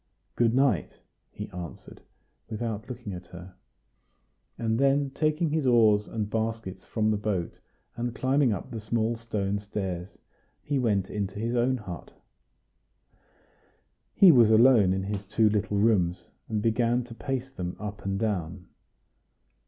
"Good night!" he answered, without looking at her; and then taking his oars and baskets from the boat, and climbing up the small stone stairs, he went into his own hut. He was alone in his two little rooms, and began to pace them up and down.